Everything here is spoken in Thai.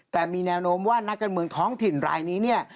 แต่มีแนวโน้มว่านักการเมืองท้องถิ่นรายนี้เนี่ย